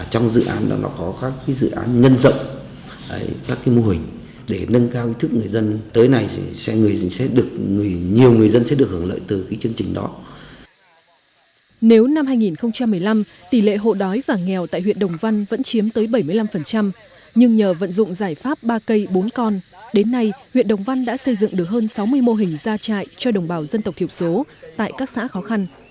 tại năm hai nghìn một mươi năm tỷ lệ hộ đói và nghèo tại huyện đồng văn vẫn chiếm tới bảy mươi năm nhưng nhờ vận dụng giải pháp ba cây bốn con đến nay huyện đồng văn đã xây dựng được hơn sáu mươi mô hình ra trại cho đồng bào dân tộc thiểu số tại các xã khó khăn